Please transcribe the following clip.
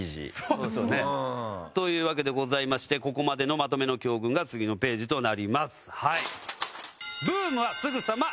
うん。というわけでございましてここまでのまとめの教訓が次のページとなります。